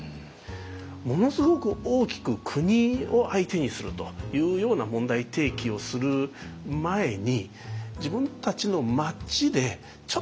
ものすごく大きく国を相手にするというような問題提起をする前に自分たちの町で「ちょっとここ困ってるよね」